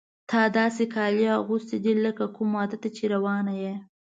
تا داسې کالي اغوستي دي لکه کوم واده ته چې روانه یې.